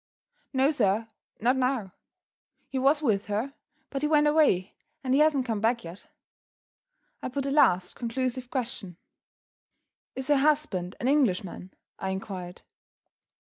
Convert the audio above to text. "No, sir not now. He was with her; but he went away and he hasn't come back yet." I put a last conclusive question. "Is her husband an Englishman?" I inquired.